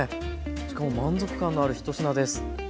しかも満足感のある一品です。